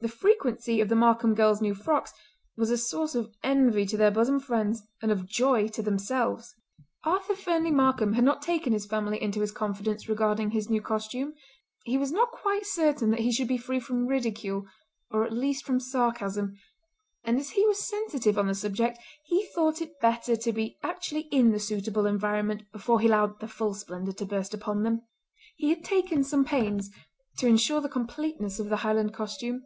The frequency of the Markam girls' new frocks was a source of envy to their bosom friends and of joy to themselves. Arthur Fernlee Markam had not taken his family into his confidence regarding his new costume. He was not quite certain that he should be free from ridicule, or at least from sarcasm, and as he was sensitive on the subject, he thought it better to be actually in the suitable environment before he allowed the full splendour to burst upon them. He had taken some pains, to insure the completeness of the Highland costume.